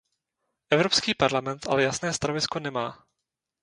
Evropský parlament ale jasné stanovisko nemá.